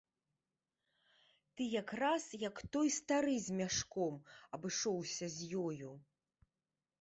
Ты якраз, як той стары з мяшком, абышоўся з ёю.